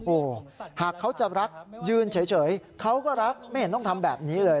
โอ้โหหากเขาจะรักยืนเฉยเขาก็รักไม่เห็นต้องทำแบบนี้เลย